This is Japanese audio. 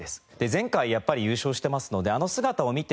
前回やっぱり優勝してますのであの姿を見て。